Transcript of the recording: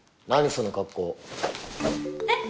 その格好えっ？